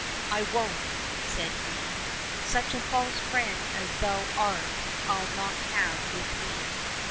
—" I won't," said he ;" such a false friend as thou art I'll not have with me.